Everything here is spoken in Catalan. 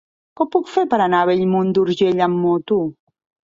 Com ho puc fer per anar a Bellmunt d'Urgell amb moto?